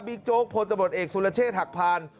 โจ๊กพลตำรวจเอกสุรเชษฐ์หักพาน